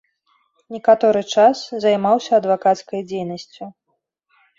Некаторы час займаўся адвакацкай дзейнасцю.